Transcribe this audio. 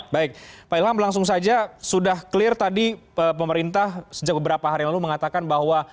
baik pak ilham langsung saja sudah clear tadi pemerintah sejak beberapa hari lalu mengatakan bahwa